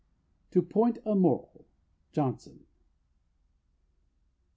"To point a moral." JOHNSON.